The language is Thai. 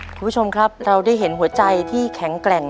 คุณผู้ชมครับเราได้เห็นหัวใจที่แข็งแกร่ง